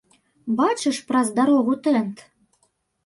Бачыш праз дарогу тэнт?